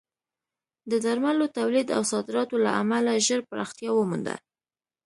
د درملو تولید او صادراتو له امله ژر پراختیا ومونده.